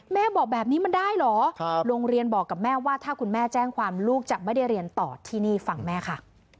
แม่บอกแบบนี้มันได้เหรอโรงเรียนบอกกับแม่ว่าถ้าคุณแม่แจ้งความลูกจะไม่ได้เรียนต่อที่นี่ฟังแม่ค่ะ